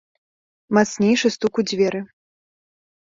Мацнейшы стук у дзверы.